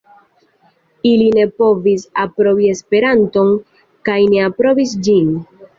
Ili ne povis aprobi Esperanton kaj ne aprobis ĝin.